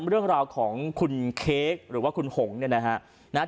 เรื่องราวของคุณเค้กหรือว่าคุณหงเนี่ยนะฮะ